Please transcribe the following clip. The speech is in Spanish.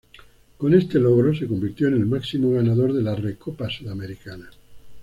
Con este logro se convirtió en el máximo ganador de la Recopa Sudamericana.